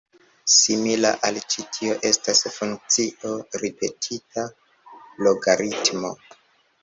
Simila al ĉi tio estas funkcio ripetita logaritmo.